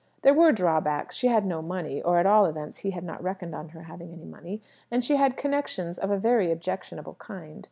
There were drawbacks. She had no money (or at all events he had not reckoned on her having any money), and she had connections of a very objectionable kind.